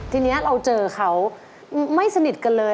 ทีนี้เราเจอเขาไม่สนิทกันเลย